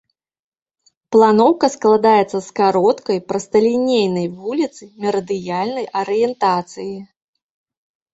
Планоўка складаецца з кароткай прасталінейнай вуліцы мерыдыянальнай арыентацыі.